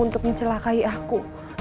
untuk mencelakai aku